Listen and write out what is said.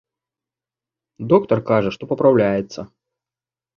Доктар кажа, што папраўляецца.